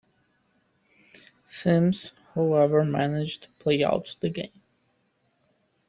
Sims however managed to play out the game.